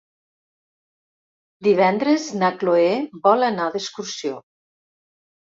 Divendres na Cloè vol anar d'excursió.